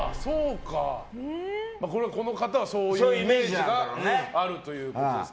この方はそういうイメージがあるということですが。